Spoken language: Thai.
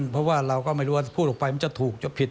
เพราะว่าเราก็ไม่รู้ว่าพูดออกไปมันจะถูกจะผิด